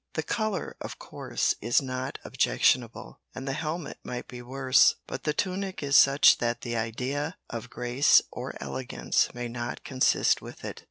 The colour, of course, is not objectionable, and the helmet might be worse, but the tunic is such that the idea of grace or elegance may not consist with it.